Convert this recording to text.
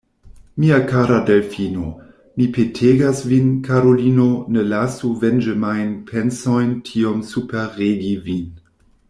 Mia kara Delfino, mi petegas vin, karulino, ne lasu venĝemajn pensojn tiom superregi vin.